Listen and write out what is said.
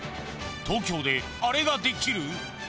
東京であれができる？